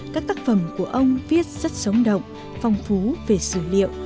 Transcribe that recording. các tác phẩm của ông viết rất sống động phong phú về sử liệu